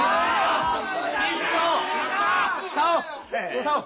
久男！